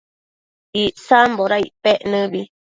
Icsamboda icpec nëbi?